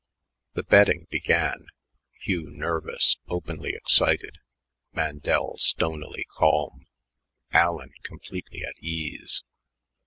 The betting began, Hugh nervous, openly excited, Mandel stonily calm, Allen completely at ease.